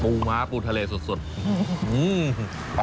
ปูม้าปูทะเลสดอร่อยมาก